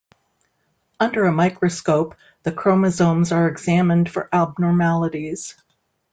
Under a microscope the chromosomes are examined for abnormalities.